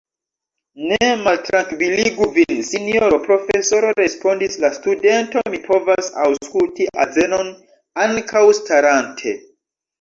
Ne maltrankviligu vin, sinjoro profesoro, respondis la studento, mi povas aŭskulti azenon ankaŭ starante.